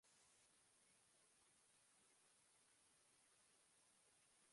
There remained but one more document to be examined.